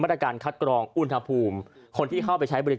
แต่ทุกทายก็ต้องใช้แท็กที่หลังเหล่านี้